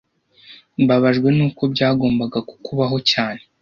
Mbabajwe nuko byagombaga kukubaho cyane